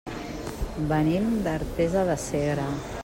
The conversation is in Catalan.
Venim d'Artesa de Segre.